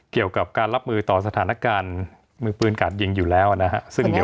เกี่ยวกับการรับมือต่อสถานการณ์มือปืนกาดยิงอยู่แล้วนะฮะ